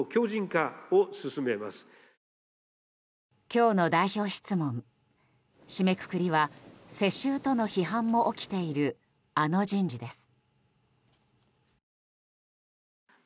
今日の代表質問、締めくくりは世襲との批判も起きているあの人事です。